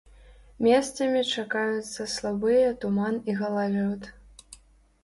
Месцамі чакаюцца слабыя туман і галалёд.